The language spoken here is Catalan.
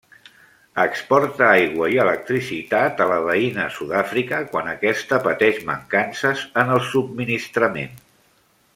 Exporta aigua i electricitat a la veïna Sud-àfrica quan aquesta pateix mancances en el subministrament.